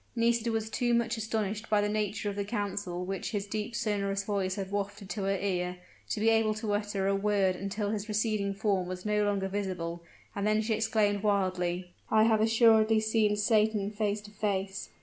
Nisida was too much astonished by the nature of the counsel which his deep sonorous voice had wafted to her ear, to be able to utter a word until his receding form was no longer visible, and then she exclaimed wildly; "I have assuredly seen Satan face to face!"